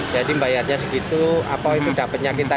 jadi bayarnya segitu dapatnya kita